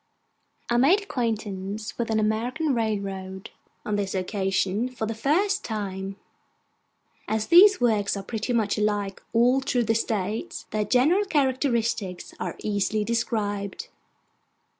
I made acquaintance with an American railroad, on this occasion, for the first time. As these works are pretty much alike all through the States, their general characteristics are easily described.